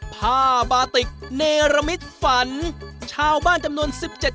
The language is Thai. ถ้าพร้อมแล้วไปชมกฎิกา